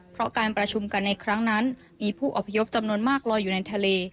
เพราะการประชุมกันในครั้งนั้นมีผู้อพยพจำนวนมากลอยอยู่ในทะเล